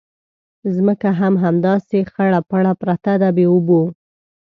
ځمکه هم همداسې خړه پړه پرته ده بې اوبو.